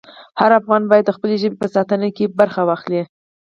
هر افغان باید د خپلې ژبې په ساتنه کې ونډه واخلي.